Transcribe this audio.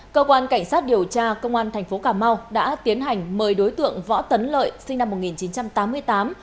cơ quan cảnh sát điều tra công an thành phố cà mau đã tiến hành mời đối tượng võ tấn lợi sinh năm một nghìn chín trăm tám mươi tám